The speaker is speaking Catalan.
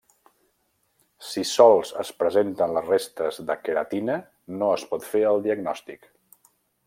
Si sols es presenten les restes de queratina, no es pot fer el diagnòstic.